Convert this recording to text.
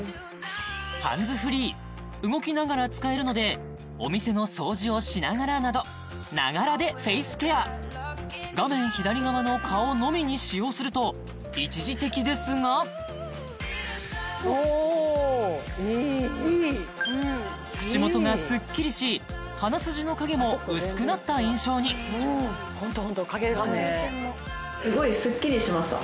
ハンズフリー動きながら使えるのでお店の掃除をしながらなどながらでフェイスケア画面左側の顔のみに使用すると一時的ですがうわっいいおおいい口元がスッキリし鼻筋の影も薄くなった印象にうんホントホント影がねすごいスッキリしました